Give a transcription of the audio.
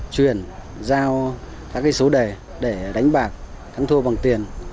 truyền giao các số đề để đánh bạc thắng thua bằng tiền